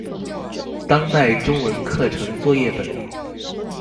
當代中文課程作業本